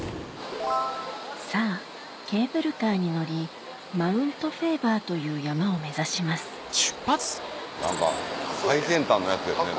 さぁケーブルカーに乗りマウントフェーバーという山を目指します最先端のやつですね。